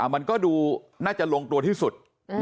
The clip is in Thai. มันก็ดูน่าจะลงตัวที่สุด